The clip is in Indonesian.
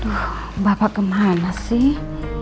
duh bapak kemana sih